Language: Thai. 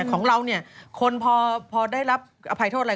ของเราเนี่ยคนพอได้รับอภัยโทษอะไร